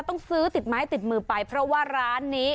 ต้องซื้อติดไม้ติดมือไปเพราะว่าร้านนี้